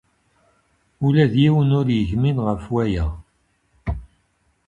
Ula d yiwen ur yegmin ɣef waya.